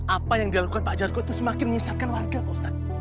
apa yang dilakukan pak jarko itu semakin menyisatkan warga pak ustadz